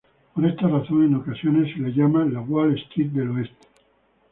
Por esta razón, en ocasiones se la llama "la Wall Street del Oeste".